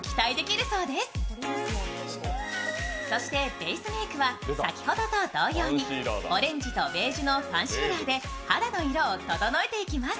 ベースメイクは先ほどと同様に、オレンジとベージュのファンシーラーで肌の色を整えていきます。